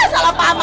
salah paham apa